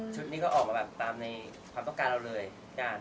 ชุดนี้ก็ออกแบบเร็วตามในความต้องการเราเลย